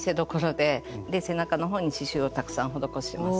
で背中の方に刺しゅうをたくさん施します。